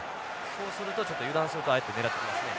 そうするとちょっと油断するとああやって狙ってきますね。